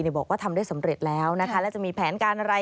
บอกว่าทำได้สำเร็จแล้วนะคะแล้วจะมีแผนการอะไร